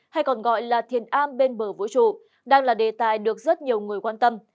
hay còn gọi là thiền a bên bờ vũ trụ đang là đề tài được rất nhiều người quan tâm